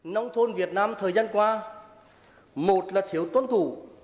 nông thôn việt nam thời gian qua một là thiếu tuân thủ